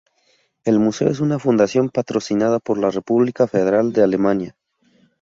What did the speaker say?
El museo es una fundación patrocinada por la República Federal de Alemania.